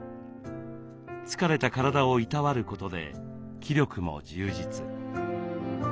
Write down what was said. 疲れた体をいたわることで気力も充実。